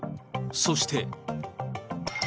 そして。